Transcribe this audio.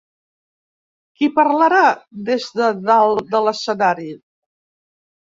Qui parlarà des de dalt de l’escenari?